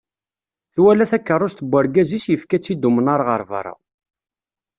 Twala takerrust n urgaz-is yefka-tt-id umnar ɣer berra.